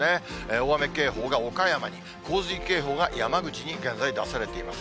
大雨警報が岡山に、洪水警報が山口に現在出されています。